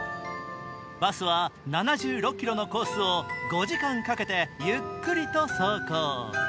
バスは７６ｋｍのコースを５時間かけてゆっくりと走行。